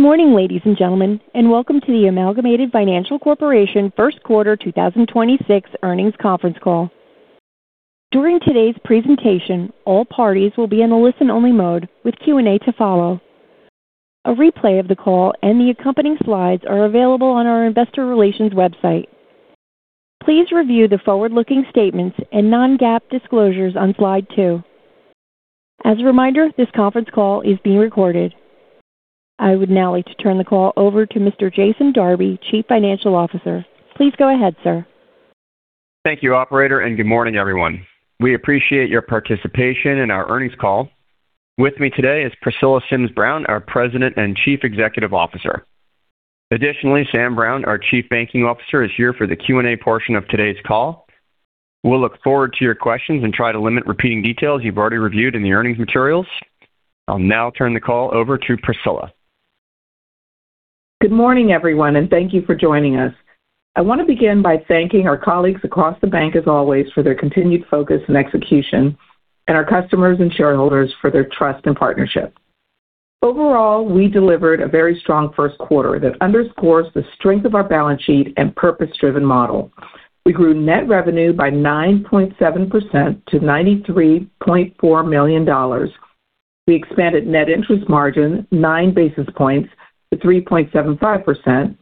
Good morning, ladies and gentlemen, and welcome to the Amalgamated Financial Corporation First Quarter 2026 Earnings Conference Call. During today's presentation, all parties will be in a listen-only mode with Q&A to follow. A replay of the call and the accompanying slides are available on our investor relations website. Please review the forward-looking statements and non-GAAP disclosures on slide two. As a reminder, this conference call is being recorded. I would now like to turn the call over to Mr. Jason Darby, Chief Financial Officer. Please go ahead, sir. Thank you operator, and good morning, everyone. We appreciate your participation in our earnings call. With me today is Priscilla Sims Brown, our President and Chief Executive Officer. Additionally, Sam Brown, our Chief Banking Officer, is here for the Q&A portion of today's call. We'll look forward to your questions and try to limit repeating details you've already reviewed in the earnings materials. I'll now turn the call over to Priscilla. Good morning, everyone, and thank you for joining us. I want to begin by thanking our colleagues across the bank as always for their continued focus and execution, and our customers and shareholders for their trust and partnership. Overall, we delivered a very strong first quarter that underscores the strength of our balance sheet and purpose-driven model. We grew net revenue by 9.7% to $93.4 million. We expanded net interest margin 9 basis points to 3.75%,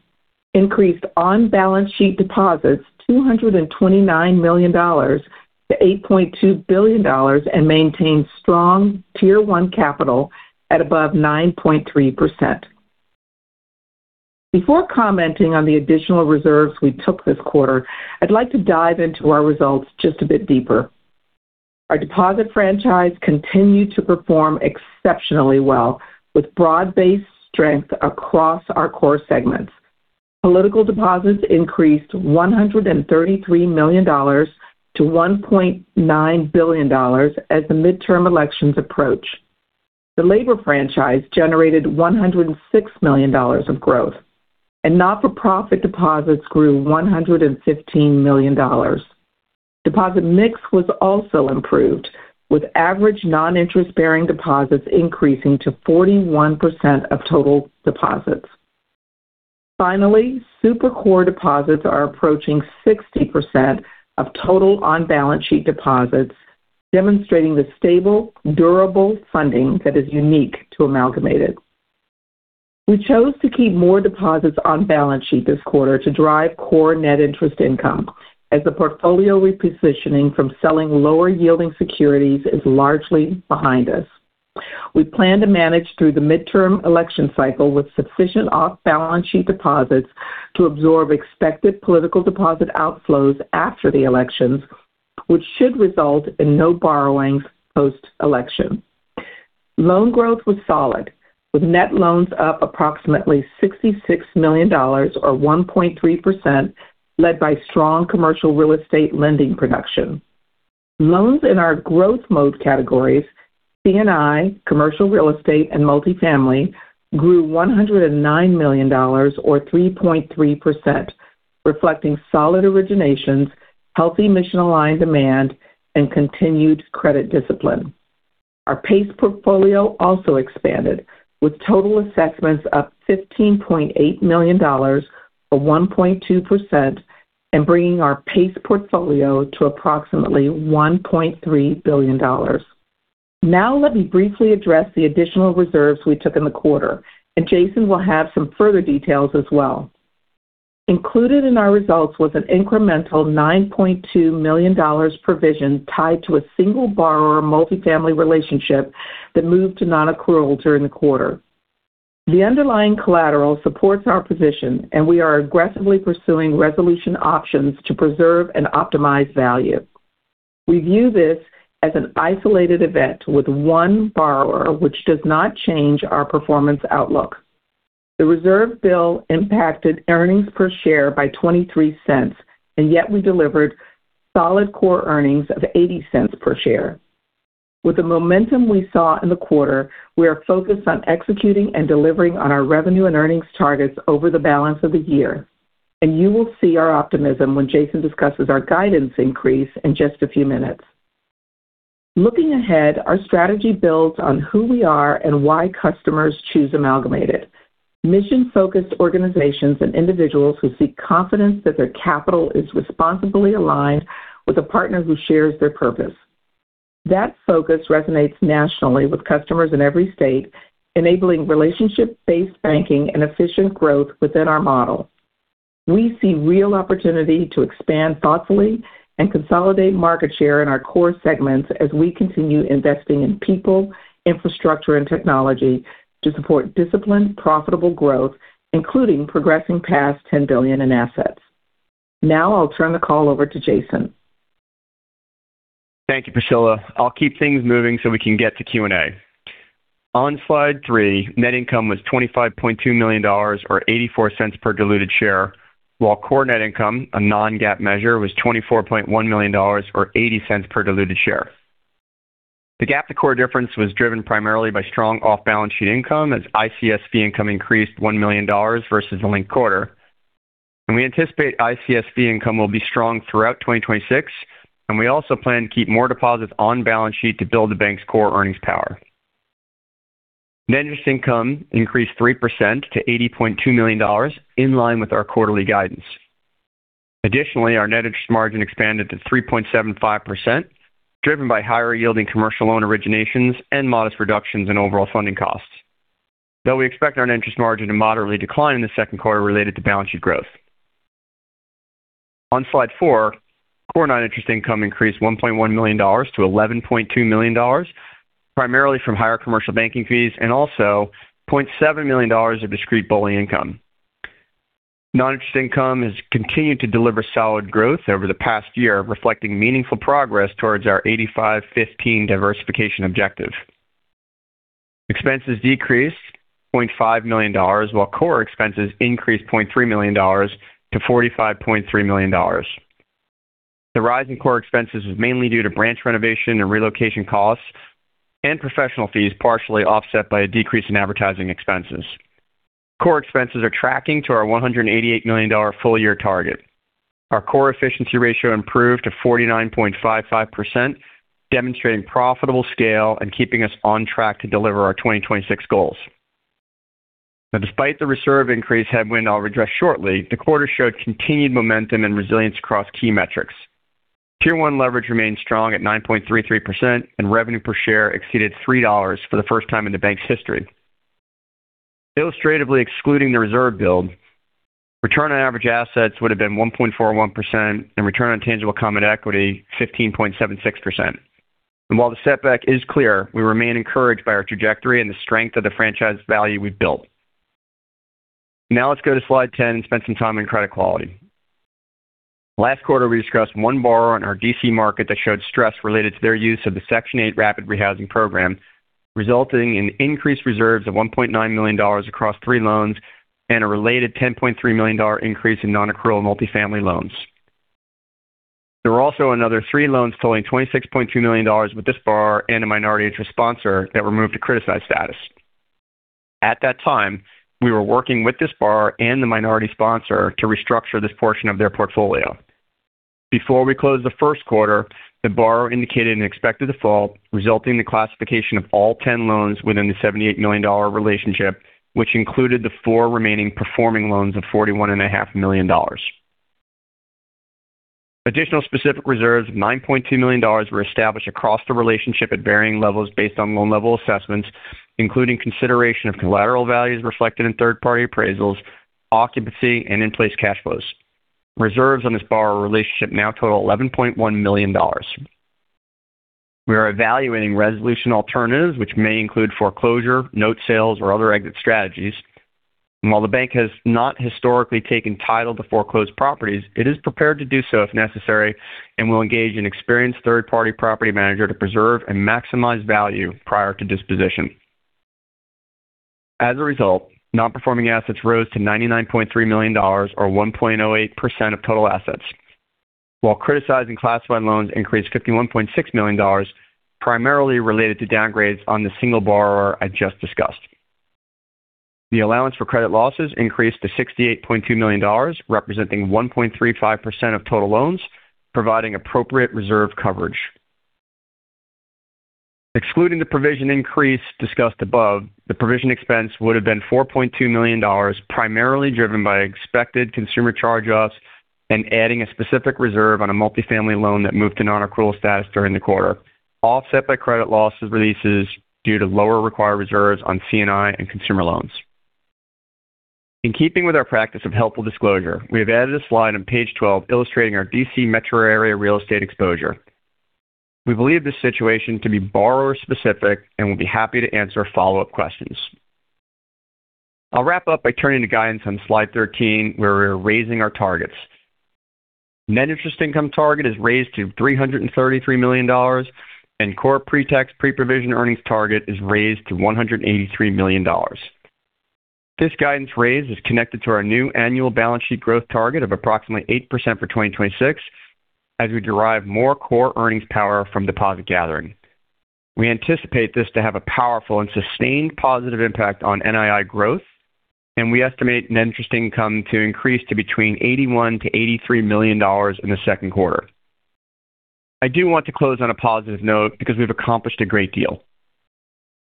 increased on-balance sheet deposits $229 million to $8.2 billion and maintained strong Tier 1 capital at above 9.3%. Before commenting on the additional reserves we took this quarter, I'd like to dive into our results just a bit deeper. Our deposit franchise continued to perform exceptionally well, with broad-based strength across our core segments. Political deposits increased $133 million to $1.9 billion as the midterm elections approach. The labor franchise generated $106 million of growth. Not-for-profit deposits grew $115 million. Deposit mix was also improved, with average non-interest-bearing deposits increasing to 41% of total deposits. Finally, super core deposits are approaching 60% of total on-balance-sheet deposits, demonstrating the stable, durable funding that is unique to Amalgamated. We chose to keep more deposits on balance sheet this quarter to drive core net interest income as the portfolio repositioning from selling lower-yielding securities is largely behind us. We plan to manage through the midterm election cycle with sufficient off-balance-sheet deposits to absorb expected political deposit outflows after the elections, which should result in no borrowings post-election. Loan growth was solid, with net loans up approximately $66 million or 1.3%, led by strong commercial real estate lending production. Loans in our growth mode categories, C&I, commercial real estate and multifamily, grew $109 million or 3.3%, reflecting solid originations, healthy mission-aligned demand and continued credit discipline. Our PACE portfolio also expanded, with total assessments up $15.8 million or 1.2% and bringing our PACE portfolio to approximately $1.3 billion. Now let me briefly address the additional reserves we took in the quarter, and Jason will have some further details as well. Included in our results was an incremental $9.2 million provision tied to a single borrower multifamily relationship that moved to non-accrual during the quarter. The underlying collateral supports our position, and we are aggressively pursuing resolution options to preserve and optimize value. We view this as an isolated event with one borrower which does not change our performance outlook. The reserve build impacted earnings per share by $0.23, and yet we delivered solid core earnings of $0.80 per share. With the momentum we saw in the quarter, we are focused on executing and delivering on our revenue and earnings targets over the balance of the year, and you will see our optimism when Jason discusses our guidance increase in just a few minutes. Looking ahead, our strategy builds on who we are and why customers choose Amalgamated. Mission-focused organizations and individuals who seek confidence that their capital is responsibly aligned with a partner who shares their purpose. That focus resonates nationally with customers in every state, enabling relationship-based banking and efficient growth within our model. We see real opportunity to expand thoughtfully and consolidate market share in our core segments as we continue investing in people, infrastructure and technology to support disciplined, profitable growth, including progressing past $10 billion in assets. Now I'll turn the call over to Jason. Thank you, Priscilla. I'll keep things moving so we can get to Q&A. On slide three, net income was $25.2 million or $0.84 per diluted share, while core net income, a non-GAAP measure, was $24.1 million or $0.80 per diluted share. The GAAP to core difference was driven primarily by strong off-balance sheet income as ICS income increased $1 million versus the linked quarter. We anticipate ICS income will be strong throughout 2026, and we also plan to keep more deposits on balance sheet to build the bank's core earnings power. Net interest income increased 3% to $80.2 million, in line with our quarterly guidance. Additionally, our net interest margin expanded to 3.75%, driven by higher yielding commercial loan originations and modest reductions in overall funding costs. Though we expect our net interest margin to moderately decline in the second quarter related to balance sheet growth. On slide four, core non-interest income increased $1.1 million to $11.2 million, primarily from higher commercial banking fees and also $0.7 million of discrete BOLI income. Non-interest income has continued to deliver solid growth over the past year, reflecting meaningful progress towards our 85/15 diversification objective. Expenses decreased $0.5 million, while core expenses increased $0.3 million to $45.3 million. The rise in core expenses was mainly due to branch renovation and relocation costs and professional fees, partially offset by a decrease in advertising expenses. Core expenses are tracking to our $188 million full year target. Our core efficiency ratio improved to 49.55%, demonstrating profitable scale and keeping us on track to deliver our 2026 goals. Now despite the reserve increase headwind I'll address shortly, the quarter showed continued momentum and resilience across key metrics. Tier 1 leverage remains strong at 9.33%, and revenue per share exceeded $3 for the first time in the bank's history. Illustratively excluding the reserve build, Return on Average Assets would've been 1.41%, and Return on Tangible Common Equity 15.76%. While the setback is clear, we remain encouraged by our trajectory and the strength of the franchise value we've built. Now let's go to slide 10 and spend some time on credit quality. Last quarter, we discussed one borrower in our D.C. market that showed stress related to their use of the Section 8 Rapid Rehousing program, resulting in increased reserves of $1.9 million across three loans and a related $10.3 million increase in non-accrual multifamily loans. There were also another 3 loans totaling $26.2 million with this borrower and a minority interest sponsor that were moved to criticized status. At that time, we were working with this borrower and the minority sponsor to restructure this portion of their portfolio. Before we closed the first quarter, the borrower indicated an expected default, resulting in the classification of all 10 loans within the $78 million relationship, which included the four remaining performing loans of $41.5 million. Additional specific reserves of $9.2 million were established across the relationship at varying levels based on loan level assessments, including consideration of collateral values reflected in third party appraisals, occupancy, and in-place cash flows. Reserves on this borrower relationship now total $11.1 million. We are evaluating resolution alternatives which may include foreclosure, note sales, or other exit strategies. While the bank has not historically taken title to foreclosed properties, it is prepared to do so if necessary and will engage an experienced third party property manager to preserve and maximize value prior to disposition. As a result, non-performing assets rose to $99.3 million or 1.08% of total assets. While criticized and classified loans increased $51.6 million, primarily related to downgrades on the single borrower I just discussed. The allowance for credit losses increased to $68.2 million, representing 1.35% of total loans, providing appropriate reserve coverage. Excluding the provision increase discussed above, the provision expense would've been $4.2 million, primarily driven by expected consumer charge-offs and adding a specific reserve on a multifamily loan that moved to non-accrual status during the quarter, offset by credit losses releases due to lower required reserves on C&I and consumer loans. In keeping with our practice of helpful disclosure, we have added a slide on page 12 illustrating our D.C. metro area real estate exposure. We believe this situation to be borrower specific and will be happy to answer follow-up questions. I'll wrap up by turning to guidance on slide 13, where we're raising our targets. Net interest income target is raised to $333 million, and core pre-tax, pre-provision earnings target is raised to $183 million. This guidance raise is connected to our new annual balance sheet growth target of approximately 8% for 2026 as we derive more core earnings power from deposit gathering. We anticipate this to have a powerful and sustained positive impact on NII growth, and we estimate net interest income to increase to between $81 million-$83 million in the second quarter. I do want to close on a positive note because we've accomplished a great deal.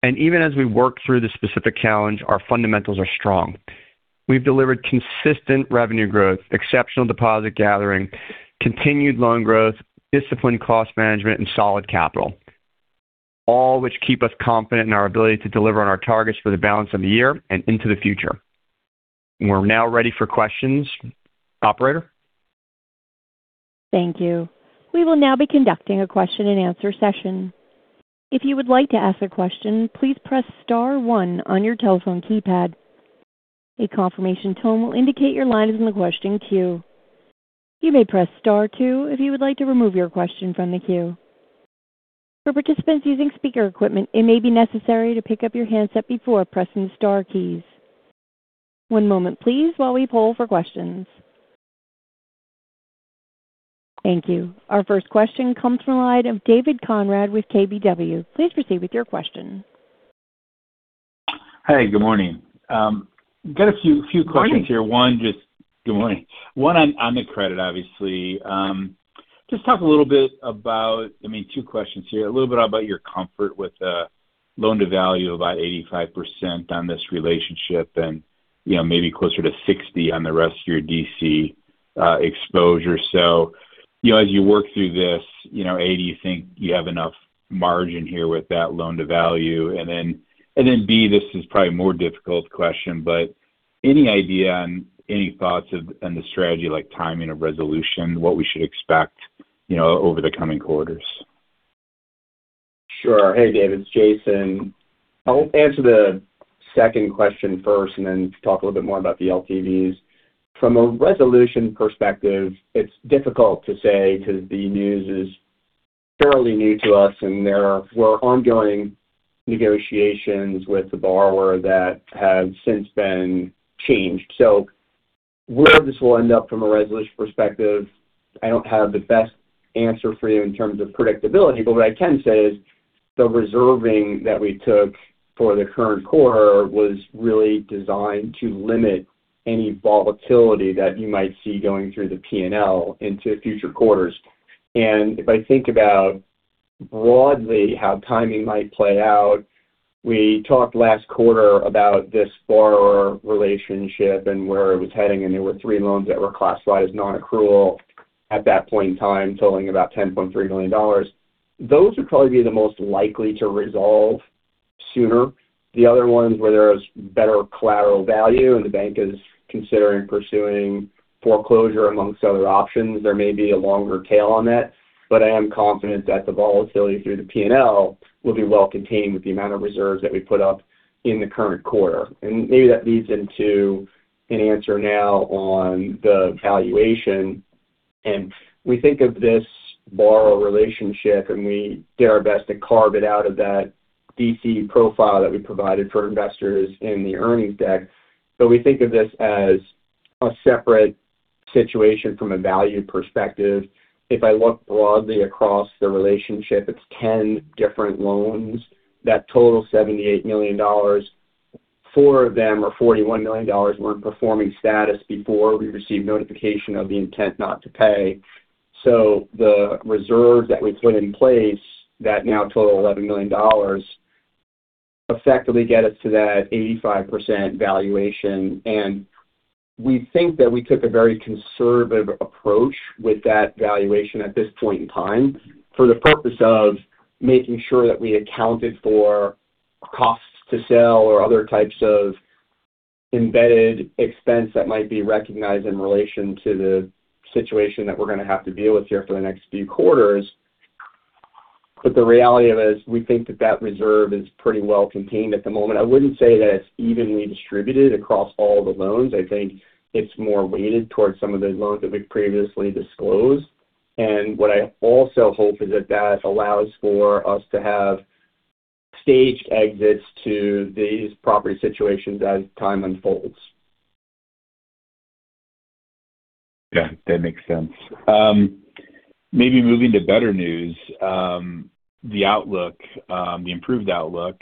Even as we work through this specific challenge, our fundamentals are strong. We've delivered consistent revenue growth, exceptional deposit gathering, continued loan growth, disciplined cost management, and solid capital. All which keep us confident in our ability to deliver on our targets for the balance of the year and into the future. We're now ready for questions. Operator? Thank you. We will now be conducting a question and answer session. If you would like to ask a question, please press star one on your telephone keypad. A confirmation tone will indicate your line is in the question queue. You may press star two if you would like to remove your question from the queue. For participants using speaker equipment, it may be necessary to pick up your handset before pressing the star keys. One moment please while we poll for questions. Thank you. Our first question comes from the line of David Konrad with KBW. Please proceed with your question. Hi, good morning. Got a few questions here. Good morning. Good morning. One on the credit, obviously. Just talk a little bit about, I mean, two questions here. A little bit about your comfort with the loan-to-value, about 85% on this relationship, and maybe closer to 60% on the rest of your D.C. exposure. As you work through this, A, do you think you have enough margin here with that loan-to-value? And then, B, this is probably a more difficult question, but any idea and any thoughts on the strategy, like timing of resolution, what we should expect over the coming quarters? Sure. Hey, David, it's Jason. I'll answer the second question first and then talk a little bit more about the LTVs. From a resolution perspective, it's difficult to say because the news is fairly new to us, and there were ongoing negotiations with the borrower that have since been changed. Where this will end up from a resolution perspective, I don't have the best answer for you in terms of predictability. What I can say is the reserving that we took for the current quarter was really designed to limit any volatility that you might see going through the P&L into future quarters. If I think about broadly how timing might play out, we talked last quarter about this borrower relationship and where it was heading, and there were three loans that were classified as non-accrual at that point in time, totaling about $10.3 million. Those would probably be the most likely to resolve sooner. The other ones where there's better collateral value and the bank is considering pursuing foreclosure among other options, there may be a longer tail on that. I am confident that the volatility through the P&L will be well contained with the amount of reserves that we put up in the current quarter. Maybe that leads into an answer now on the valuation. We think of this borrower relationship, and we did our best to carve it out of that D.C. profile that we provided for investors in the earnings deck. We think of this as a separate situation from a value perspective. If I look broadly across the relationship, it's 10 different loans that total $78 million. Four of them, $41 million, were in performing status before we received notification of the intent not to pay. The reserves that we put in place that now total $11 million effectively get us to that 85% valuation. We think that we took a very conservative approach with that valuation at this point in time for the purpose of making sure that we accounted for costs to sell or other types of embedded expense that might be recognized in relation to the situation that we're going to have to deal with here for the next few quarters. The reality of it is we think that that reserve is pretty well contained at the moment. I wouldn't say that it's evenly distributed across all the loans. I think it's more weighted towards some of the loans that we've previously disclosed. What I also hope is that that allows for us to have staged exits to these property situations as time unfolds. Yeah, that makes sense. Maybe moving to better news. The outlook, the improved outlook.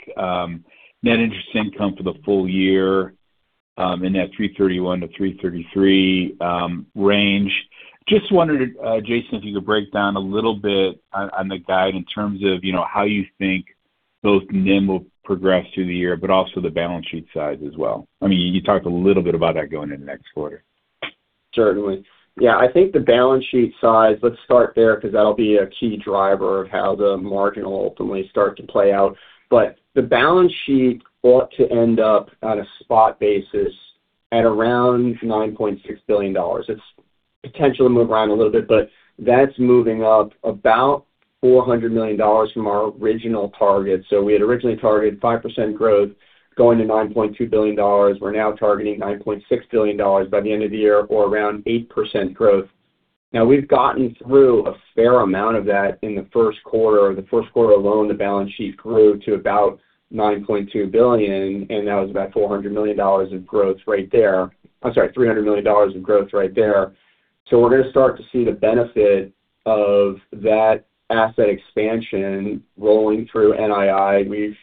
Net interest income for the full year in that $331 million-$333 million range. Just wondered, Jason, if you could break down a little bit on the guide in terms of how you think both NIM will progress through the year, but also the balance sheet size as well. I mean, you talked a little bit about that going into next quarter. Certainly. Yeah, I think the balance sheet size, let's start there because that'll be a key driver of how the margin will ultimately start to play out. The balance sheet ought to end up on a spot basis at around $9.6 billion. It has potential to move around a little bit, but that's moving up about $400 million from our original target. We had originally targeted 5% growth going to $9.2 billion. We're now targeting $9.6 billion by the end of the year or around 8% growth. Now, we've gotten through a fair amount of that in the first quarter. The first quarter alone, the balance sheet grew to about $9.2 billion, and that was about $400 million of growth right there. I'm sorry, $300 million of growth right there. We're going to start to see the benefit of that asset expansion rolling through NII. We've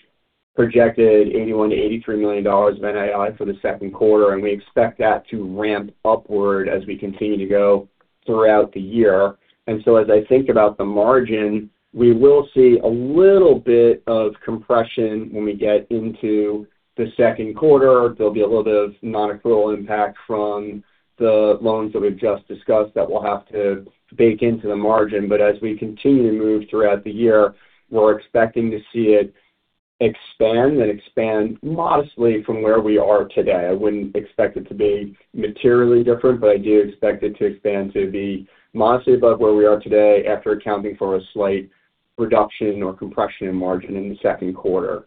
projected $81 million-$83 million of NII for the second quarter, and we expect that to ramp upward as we continue to go throughout the year. As I think about the margin, we will see a little bit of compression when we get into the second quarter. There'll be a little bit of non-accrual impact from the loans that we've just discussed that we'll have to bake into the margin. As we continue to move throughout the year, we're expecting to see it expand and expand modestly from where we are today. I wouldn't expect it to be materially different, but I do expect it to expand to be modestly above where we are today after accounting for a slight reduction or compression in margin in the second quarter.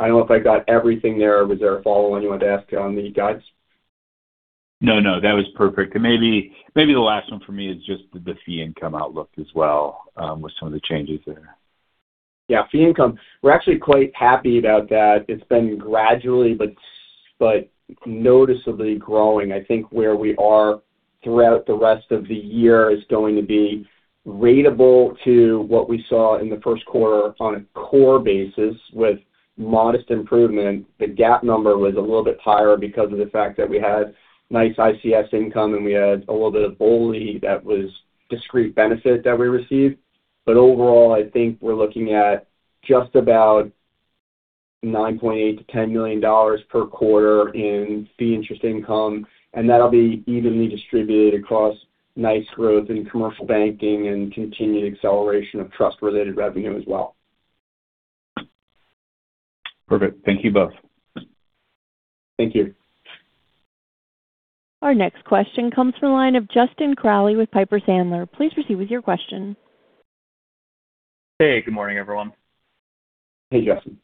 I don't know if I got everything there. Was there a follow-on you wanted to ask on the guides? No, that was perfect. Maybe the last one for me is just the fee income outlook as well with some of the changes there. Yeah. Fee income. We're actually quite happy about that. It's been gradually but noticeably growing. I think where we are throughout the rest of the year is going to be ratable to what we saw in the first quarter on a core basis with modest improvement. The GAAP number was a little bit higher because of the fact that we had nice ICS income, and we had a little bit of BOLI that was discrete benefit that we received. But overall, I think we're looking at just about $9.8 million-$10 million per quarter in fee interest income. That'll be evenly distributed across nice growth in commercial banking and continued acceleration of trust-related revenue as well. Perfect. Thank you both. Thank you. Our next question comes from the line of Justin Crowley with Piper Sandler. Please proceed with your question. Hey, good morning, everyone. Hey, Justin.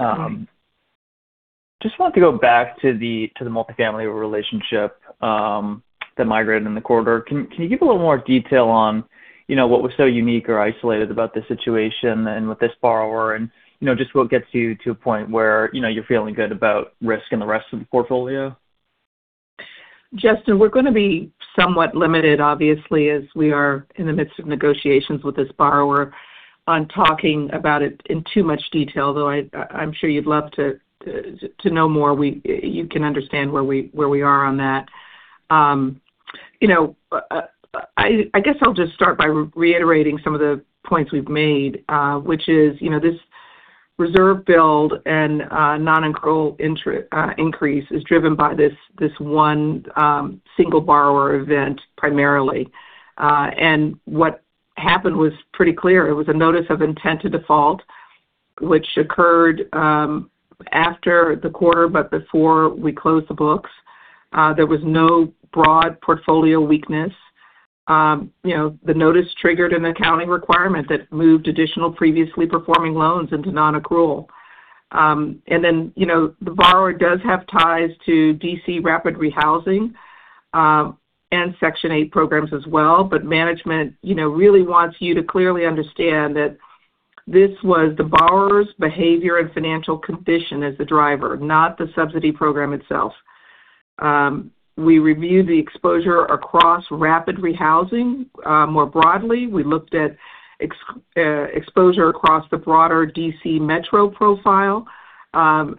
Just wanted to go back to the multifamily relationship that migrated in the quarter. Can you give a little more detail on what was so unique or isolated about this situation and with this borrower and just what gets you to a point where you're feeling good about risk in the rest of the portfolio? Justin, we're going to be somewhat limited, obviously, as we are in the midst of negotiations with this borrower on talking about it in too much detail, though I'm sure you'd love to know more. You can understand where we are on that. I guess I'll just start by reiterating some of the points we've made, which is this reserve build and non-accrual increase is driven by this one single borrower event primarily. What happened was pretty clear. It was a notice of intent to default, which occurred after the quarter but before we closed the books. There was no broad portfolio weakness. The notice triggered an accounting requirement that moved additional previously performing loans into non-accrual. The borrower does have ties to D.C. Rapid Rehousing, and Section 8 programs as well. Management really wants you to clearly understand that this was the borrower's behavior and financial condition as the driver, not the subsidy program itself. We reviewed the exposure across Rapid Rehousing. More broadly, we looked at exposure across the broader D.C. metro profile. When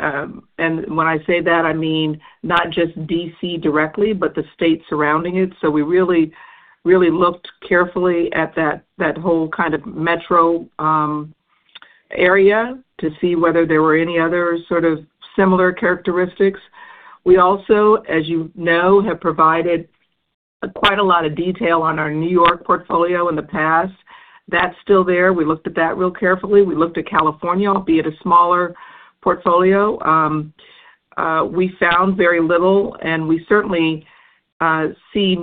I say that, I mean not just D.C. directly, but the state surrounding it. We really looked carefully at that whole kind of metro area to see whether there were any other sort of similar characteristics. We also, as you know, have provided quite a lot of detail on our New York portfolio in the past. That's still there. We looked at that really carefully. We looked at California, albeit a smaller portfolio. We found very little, and we certainly see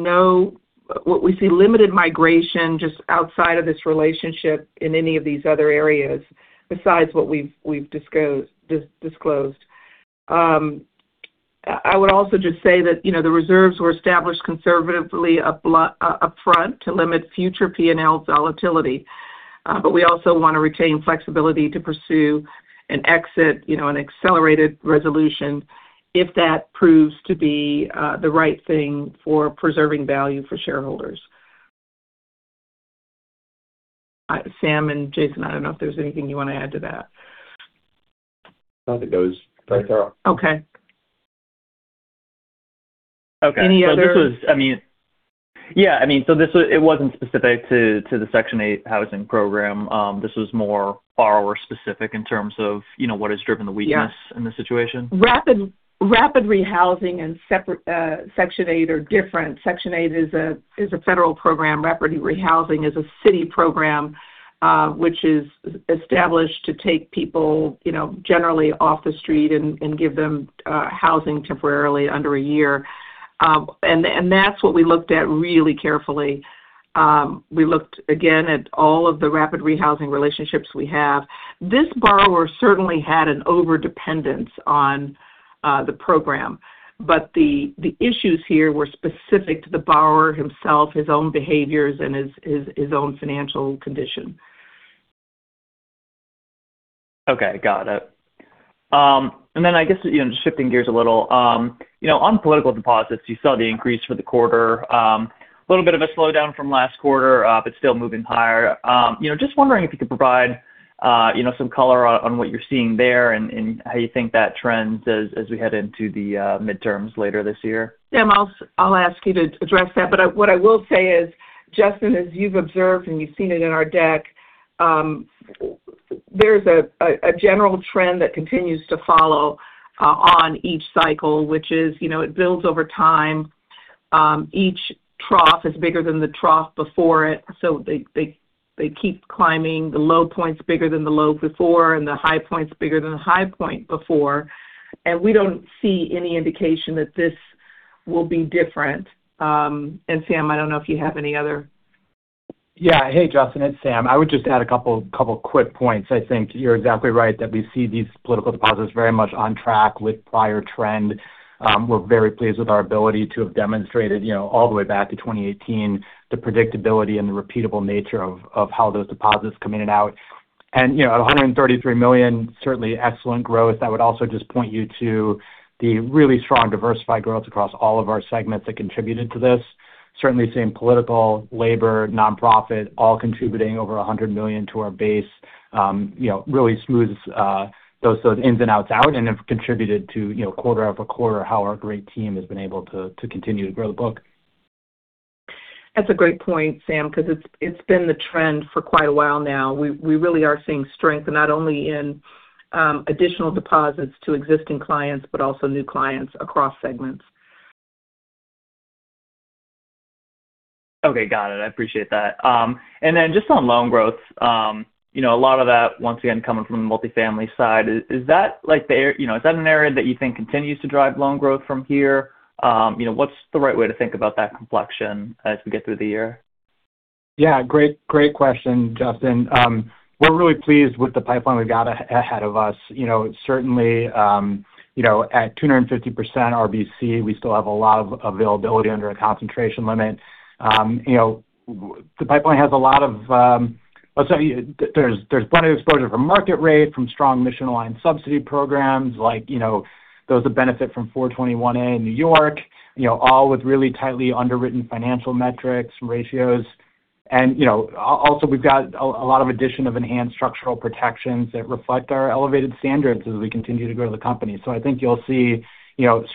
limited migration just outside of this relationship in any of these other areas besides what we've disclosed. I would also just say that the reserves were established conservatively upfront to limit future P&L volatility. We also want to retain flexibility to pursue an exit, an accelerated resolution if that proves to be the right thing for preserving value for shareholders. Sam and Jason, I don't know if there's anything you want to add to that. No, I think that was very thorough. Okay. Any other. Okay. Yeah. It wasn't specific to the Section 8 housing program. This was more borrower specific in terms of what has driven the weakness- Yeah. In this situation? Rapid Rehousing and Section 8 are different. Section 8 is a federal program. Rapid Rehousing is a city program, which is established to take people generally off the street and give them housing temporarily under a year. That's what we looked at really carefully. We looked again at all of the Rapid Rehousing relationships we have. This borrower certainly had an overdependence on the program, but the issues here were specific to the borrower himself, his own behaviors, and his own financial condition. Okay. Got it. I guess just shifting gears a little. On political deposits, you saw the increase for the quarter. A little bit of a slowdown from last quarter, but still moving higher. Just wondering if you could provide some color on what you're seeing there and how you think that trends as we head into the midterms later this year. Sam, I'll ask you to address that. What I will say is, Justin, as you've observed and you've seen it in our deck, there's a general trend that continues to follow on each cycle, which is it builds over time. Each trough is bigger than the trough before it. They keep climbing. The low point's bigger than the low before, and the high point's bigger than the high point before. We don't see any indication that this will be different. Sam, I don't know if you have any other. Yeah. Hey, Justin, it's Sam. I would just add a couple quick points. I think you're exactly right that we see these political deposits very much on track with prior trend. We're very pleased with our ability to have demonstrated all the way back to 2018 the predictability and the repeatable nature of how those deposits come in and out. You know, $133 million, certainly excellent growth. I would also just point you to the really strong diversified growth across all of our segments that contributed to this. Certainly seeing political, labor, nonprofit, all contributing over $100 million to our base. Really smooths those ins and outs out and have contributed to quarter-over-quarter how our great team has been able to continue to grow the book. That's a great point, Sam, because it's been the trend for quite a while now. We really are seeing strength not only in additional deposits to existing clients but also new clients across segments. Okay. Got it. I appreciate that. Just on loan growth. A lot of that, once again, coming from the multifamily side. Is that an area that you think continues to drive loan growth from here? What's the right way to think about that complexion as we get through the year? Yeah. Great question, Justin. We're really pleased with the pipeline we've got ahead of us. Certainly at 250% RBC, we still have a lot of availability under a concentration limit. There's plenty of exposure from market rate, from strong mission-aligned subsidy programs like those that benefit from 421-a in New York, all with really tightly underwritten financial metrics, ratios. Also we've got a lot of addition of enhanced structural protections that reflect our elevated standards as we continue to grow the company. I think you'll see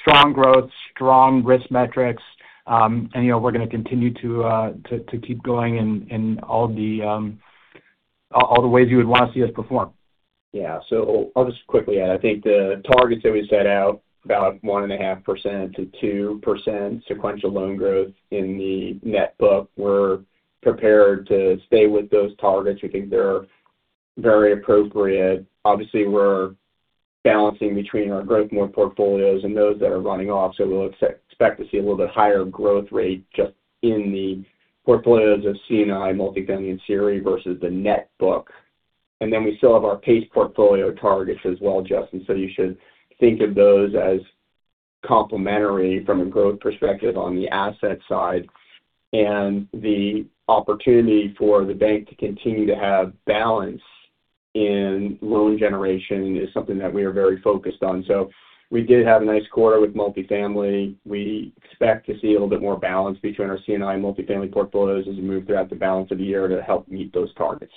strong growth, strong risk metrics, and we're going to continue to keep going in all the ways you would want to see us perform. Yeah. I'll just quickly add, I think the targets that we set out, about 1.5%-2% sequential loan growth in the net book. We're prepared to stay with those targets. We think they're very appropriate. Obviously, we're balancing between our growing portfolios and those that are running off, so we'll expect to see a little bit higher growth rate just in the portfolios of C&I, multifamily, and CRE versus the net book. We still have our PACE portfolio targets as well, Justin. You should think of those as complementary from a growth perspective on the asset side. The opportunity for the bank to continue to have balance in loan generation is something that we are very focused on. We did have a nice quarter with multifamily. We expect to see a little bit more balance between our C&I multifamily portfolios as we move throughout the balance of the year to help meet those targets.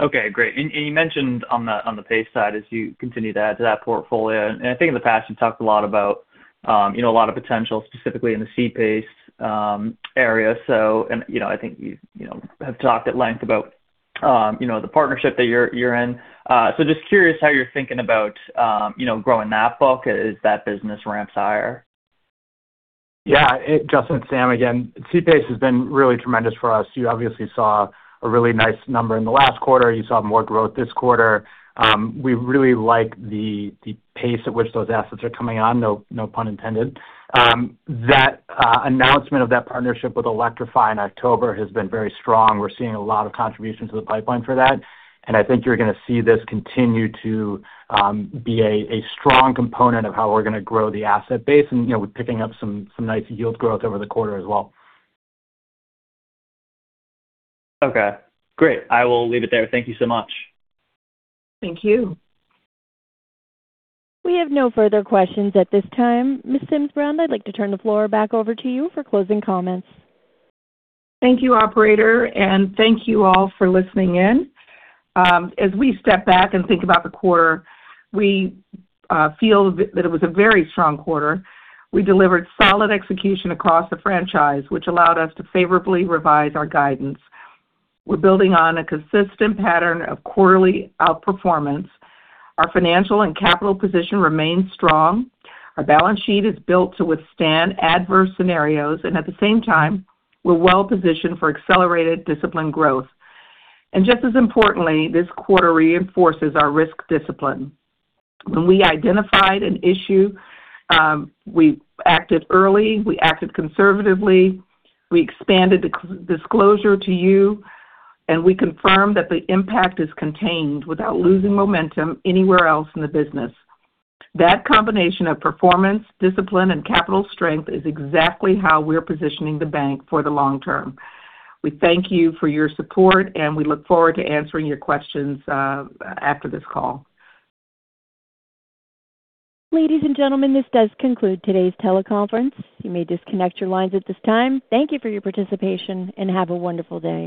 Okay, great. You mentioned on the PACE side, as you continue to add to that portfolio, and I think in the past you talked a lot about a lot of potential specifically in the C-PACE area. I think you have talked at length about the partnership that you're in. Just curious how you're thinking about growing that book. Is that business ramps higher? Yeah. Justin, Sam, again, C-PACE has been really tremendous for us. You obviously saw a really nice number in the last quarter. You saw more growth this quarter. We really like the pace at which those assets are coming on, no pun intended. That announcement of that partnership with Allectrify in October has been very strong. We're seeing a lot of contribution to the pipeline for that, and I think you're going to see this continue to be a strong component of how we're going to grow the asset base. We're picking up some nice yield growth over the quarter as well. Okay, great. I will leave it there. Thank you so much. Thank you. We have no further questions at this time. Ms. Sims Brown, I'd like to turn the floor back over to you for closing comments. Thank you, operator, and thank you all for listening in. As we step back and think about the quarter, we feel that it was a very strong quarter. We delivered solid execution across the franchise, which allowed us to favorably revise our guidance. We're building on a consistent pattern of quarterly outperformance. Our financial and capital position remains strong. Our balance sheet is built to withstand adverse scenarios, and at the same time, we're well positioned for accelerated discipline growth. Just as importantly, this quarter reinforces our risk discipline. When we identified an issue, we acted early, we acted conservatively, we expanded disclosure to you, and we confirmed that the impact is contained without losing momentum anywhere else in the business. That combination of performance, discipline and capital strength is exactly how we're positioning the bank for the long term. We thank you for your support, and we look forward to answering your questions after this call. Ladies and gentlemen, this does conclude today's teleconference. You may disconnect your lines at this time. Thank you for your participation, and have a wonderful day.